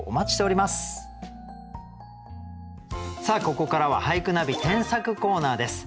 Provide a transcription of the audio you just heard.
ここからは「俳句ナビ添削コーナー」です。